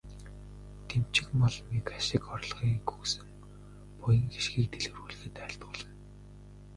Дэмчигмоломыг ашиг орлогыг өсгөн, буян хишгийг дэлгэрүүлэхэд айлтгуулна.